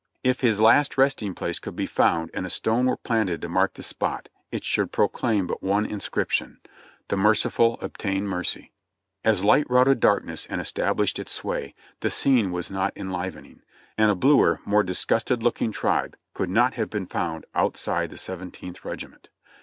If his last resting place could be found and a stone were planted to mark the spot, it should proclaim but one inscription : "The merciful obtain mercy." As light routed darkness and established its sway, the scene was not enlivening, and a bluer, more disgusted looking tribe could not have been found outside the Seventeenth Regiment.